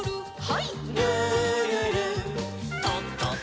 はい。